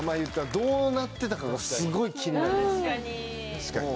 確かに。